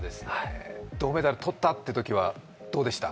銅メダルとったってときはどうでした？